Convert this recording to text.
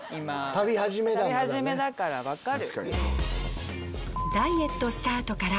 旅始めだから分かる。